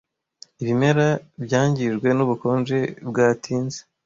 Ibimera byangijwe nubukonje bwatinze.